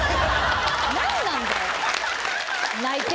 何なんだよ。